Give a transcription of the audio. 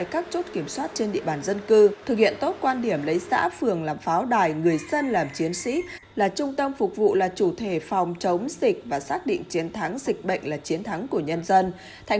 các chốt kiểm soát trên địa bàn dân cư thực hiện tốt quan điểm lấy xã phường làm pháo đài người dân làm chiến sĩ là trung tâm phục vụ là chủ thể phòng chống dịch và xác định chiến thắng dịch bệnh là chiến thắng của nhân dân